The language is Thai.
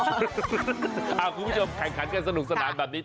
คุณผู้ชมแข่งขันกันสนุกสนานแบบนี้